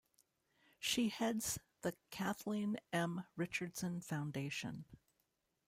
She heads the Kathleen M. Richardson Foundation.